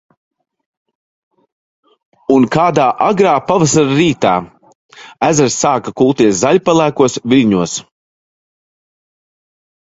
Un kādā agrā pavasara rītā, ezers sāka kulties zaļpelēkos viļņos.